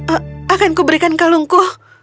ah akan ku berikan kalungku